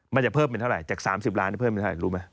มันจะเพิ่มเป็นเท่าไหร่จาก๓๐ล้านเพิ่มเป็นเท่าไหร่รู้ไหม